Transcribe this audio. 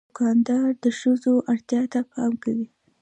دوکاندار د ښځو اړتیا ته پام کوي.